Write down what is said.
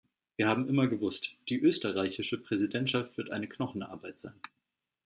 Wir haben immer gewusst, die österreichische Präsidentschaft wird eine Knochenarbeit sein.